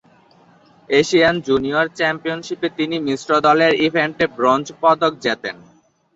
Asian junior চ্যাম্পিয়নশিপে তিনি মিশ্র দলের ইভেন্টে ব্রোঞ্জ পদক জেতেন।